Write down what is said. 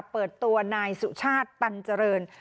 เปิดตัวนายสุชาติตันเจริญ